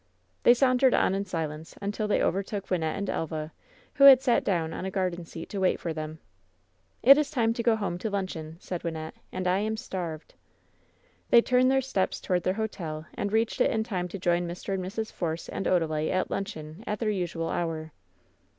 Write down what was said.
They sauntered on in silence until they overtook Wyn nette and Elva, who had sat down on a garden seat to wait for them. "It is time to go home to luncheon," said Wynnette, "and I am starved." They turned their steps toward their hotel and reached it in time to join Mr. and Mrs. Force and Odalite at luncheon at their usual hour.